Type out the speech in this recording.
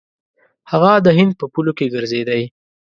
هغه د هند په پولو کې ګرځېدی.